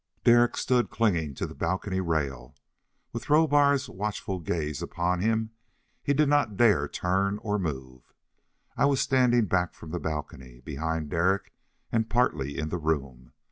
Derek stood clinging to the balcony rail. With Rohbar's watchful gaze upon him he did not dare turn or move. I was standing back from the balcony, behind Derek and partly in the room.